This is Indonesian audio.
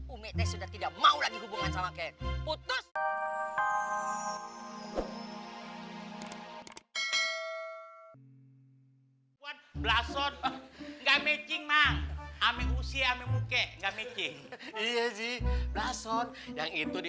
umitnya sudah tidak mau lagi hubungan sama saya